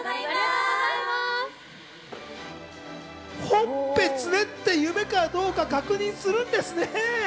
ほっぺつねって夢かどうかを確認するんですね。